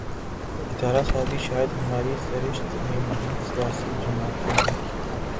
ادارہ سازی شاید ہماری سرشت میں نہیں سیاسی جماعتیں دیکھیے